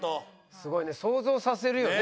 すごいね想像させるよね。